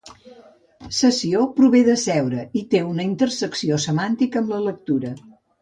Sessió prové de seure, i té una intersecció semàntica amb la lectura.